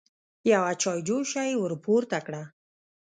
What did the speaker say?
يوه چايجوشه يې ور پورته کړه.